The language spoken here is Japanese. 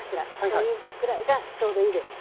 そういうぐらいがちょうどいいです。